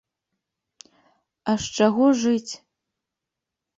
А з чаго жыць!